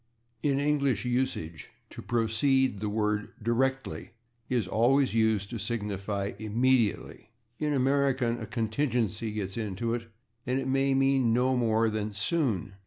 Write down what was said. In English usage, to proceed, the word /directly/ is always used to signify /immediately/; in American a contingency gets into it, and it may mean no more than /soon